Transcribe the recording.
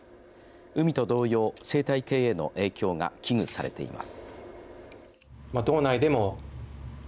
海と同様、生態系への影響が危惧されています。